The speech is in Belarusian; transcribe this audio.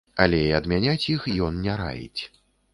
Але і адмяняць іх ён не раіць.